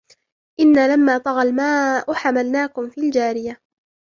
إِنَّا لَمَّا طَغَى الْمَاء حَمَلْنَاكُمْ فِي الْجَارِيَةِ